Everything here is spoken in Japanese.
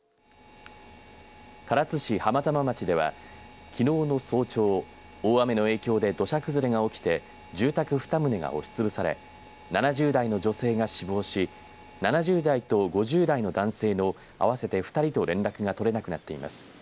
唐津市浜玉町ではきのうの早朝大雨の影響で土砂崩れが起きて住宅２棟が押しつぶされ７０代の女性が死亡し７０代と５０代の男性の合わせて２人と連絡が取れなくなっています。